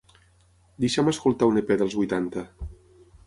Deixa'm escoltar un EP dels vuitanta.